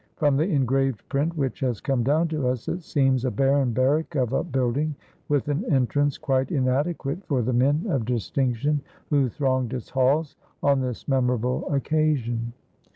From the engraved print which has come down to us, it seems a barren barrack of a building with an entrance quite inadequate for the men of distinction who thronged its halls on this memorable occasion.